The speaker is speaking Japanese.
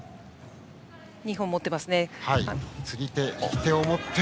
２本持っていますね。